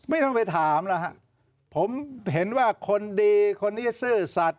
ไม่ต้องไปถามแล้วฮะผมเห็นว่าคนดีคนนี้ซื่อสัตว